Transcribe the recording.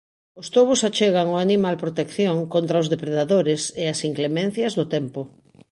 Os tobos achegan ao animal protección contra os depredadores e as inclemencias do tempo.